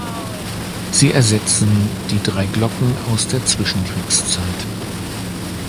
Sie ersetzen die drei Glocken aus der Zwischenkriegszeit.